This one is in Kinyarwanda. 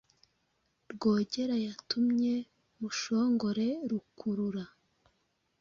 Rwogera yatumye Mushongore Rukurura